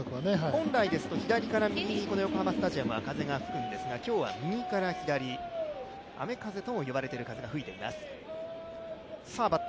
本来ですと左から右横浜スタジアムは吹くんですが今日は右から左、雨風とも呼ばれる風が吹いています。